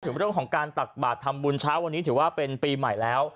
เรื่องของการตักบาททำบุญเช้าวันนี้ถือว่าเป็นปีใหม่แล้ว